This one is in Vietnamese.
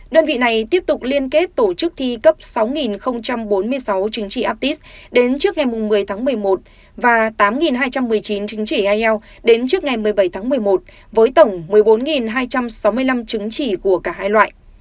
đơn vị này tiếp tục liên kết tổ chức thi cấp sáu bốn mươi sáu chứng chỉ aptis đến trước ngày một mươi tháng một mươi một và tám hai trăm một mươi chín chứng chỉ ielts đến trước ngày một mươi bảy tháng một mươi một với tổng một mươi bốn hai trăm sáu mươi năm chứng chỉ của cả hai loại